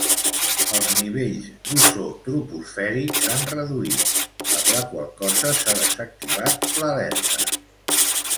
Els nivells d'ozó troposfèric s'han reduït, per la qual cosa s'ha desactivat l'alerta.